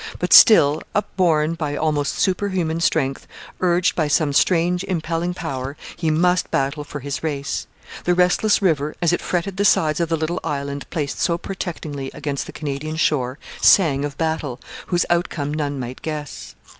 But still, upborne by almost superhuman strength, urged by some strange, impelling power, he must battle for his race. The restless river, as it fretted the sides of the little island placed so protectingly against the Canadian shore, sang of battle, whose outcome none might guess.